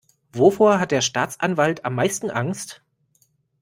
Wovor hat der Staatsanwalt am meisten Angst?